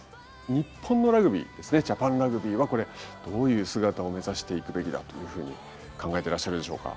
日本のラグビーですねジャパンラグビーはこれどういう姿を目指していくべきだというふうに考えてらっしゃるでしょうか。